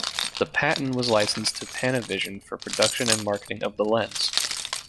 The patent was licensed to Panavision for production and marketing of the lens.